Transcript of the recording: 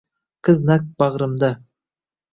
Qiz naq bag`rimda